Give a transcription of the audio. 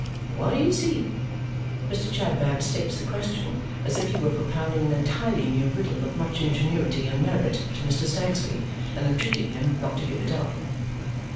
Why is he?" Mr. Chadband states the question as if he were propounding an entirely new riddle of much ingenuity and merit to Mr. Snagsby and entreating him not to give it up.